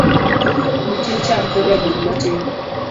Nitie cham koda lum matin.